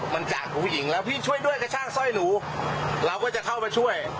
มันจากผู้หญิงแล้วพี่ช่วยด้วยกระชากสร้อยหนูเราก็จะเข้ามาช่วย